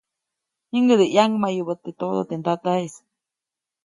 Jiŋʼäde ʼyaŋmayubä teʼ todo teʼ ndataʼis.